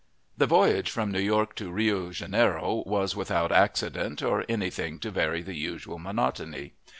The voyage from New York to Rio Janeiro was without accident or any thing to vary the usual monotony.